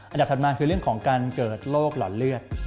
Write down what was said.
ถัดมาคือเรื่องของการเกิดโรคหลอดเลือด